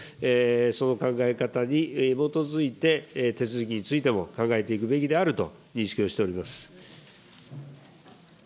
その考え方に基づいて、手続きについても考えていくべきであると認識をしております。